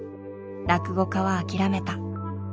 落語家は諦めた。